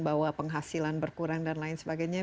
bahwa penghasilan berkurang dan lain sebagainya